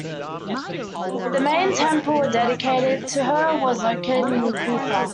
The main temple dedicated to her was located in Kutha.